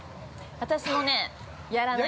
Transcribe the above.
◆私もね、やらないです。